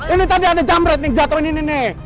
ini tadi ada jamret jatuhin ini